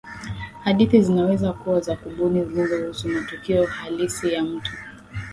hadithi zinaweza kuwa za kubuni zinazohusu matukio halisi ya mtu